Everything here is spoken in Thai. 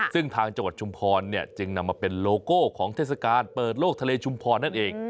ซึ่งทางจังหวัดชุมพรจึงนำมาเป็นโลโก้ของเทศกาลเปิดโลกทะเลชุมพรนั่นเอง